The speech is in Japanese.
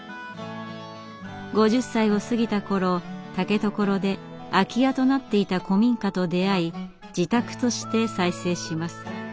５０歳を過ぎた頃竹所で空き家となっていた古民家と出会い自宅として再生します。